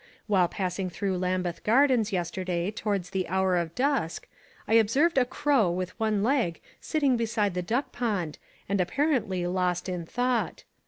While passing through Lambeth Gardens yesterday towards the hour of dusk I observed a crow with one leg sitting beside the duck pond and apparently lost in thought.